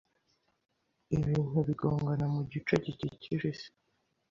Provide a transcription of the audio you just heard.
Ibintu bigongana mu gice gikikije isi